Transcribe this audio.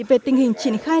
về tình hình triển khai